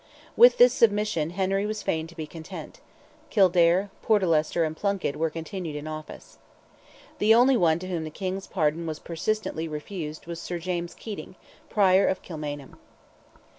With this submission Henry was fain to be content; Kildare, Portlester, and Plunkett were continued in office. The only one to whom the King's pardon was persistently refused was Sir James Keating, Prior of Kilmainham.